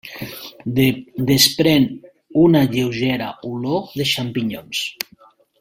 Desprèn una lleugera olor de xampinyons.